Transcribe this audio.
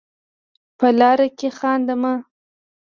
په لاره کې خانده مه.